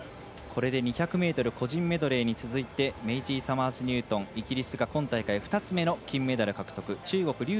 これで２００ｍ個人メドレーに続いてメイジー・サマーズニュートンが２つ目の金メダル獲得。